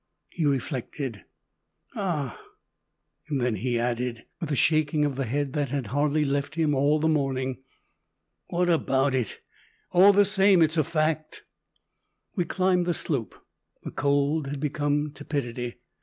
He reflected. "Ah!" Then he added, with the shaking of the head that had hardly left him all the morning, "What about it? All the same, it's a fact " We climbed the slope. The cold had become tepidity.